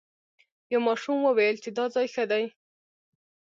یو ماشوم وویل چې دا ځای ښه دی.